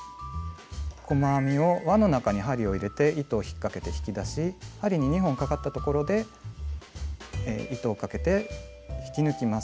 細編みを輪の中に針を入れて糸を引っかけて引き出し針に２本かかったところで糸をかけて引き抜きます。